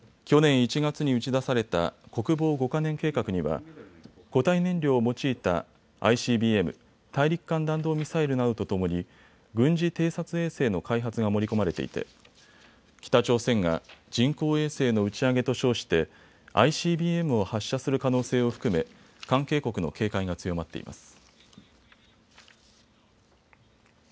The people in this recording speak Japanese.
去年１月に打ち出された国防５か年計画には固体燃料を用いたＩＣＢＭ・大陸間弾道ミサイルなどとともに軍事偵察衛星の開発が盛り込まれていて北朝鮮側が人工衛星の打ち上げと称してＩＣＢＭを発射する可能性を含め関係国の警戒が強まっています。